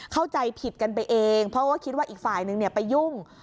เข้าใจผิดกันไปเองเพราะว่าคิดว่าอีกฝ่ายนึงไปยุ่ง